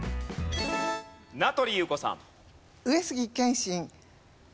名取裕子さん。